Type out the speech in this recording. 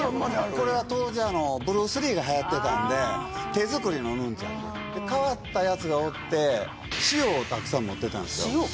これは当時あのブルース・リーがはやってたんで手作りのヌンチャク変わったやつがおって塩をたくさん持ってたんですよ塩？